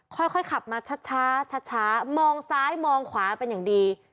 ค่อยขับมาช้าช้ามองซ้ายมองขวาเป็นอย่างดี